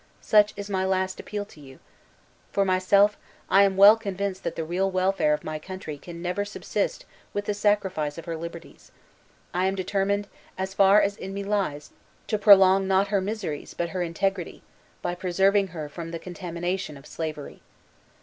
Such is my last appeal to you. For myself, as I am well convinced that the real welfare of my country can never subsist with the sacrifice of her liberties, I am determined, as far as in me lies, to prolong, not her miseries, but her integrity, by preserving her from the contamination of slavery.